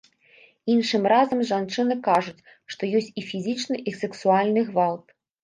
Іншым разам жанчыны кажуць, што ёсць і фізічны, і сексуальны гвалт.